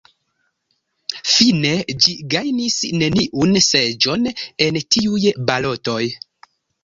Fine ĝi gajnis neniun seĝon en tiuj balotoj.